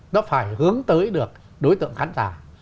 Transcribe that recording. nó phải hướng tới được đối tượng khán giả